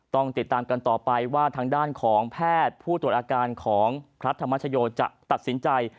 ต้องติดตามกันต่อไปว่าทางด้านของแพทย์ผู้ตรวจอาการของพระธรรมชโยจะตัดสินใจ